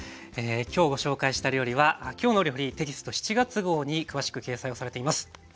今日ご紹介した料理は「きょうの料理」テキスト７月号に詳しく掲載をされています。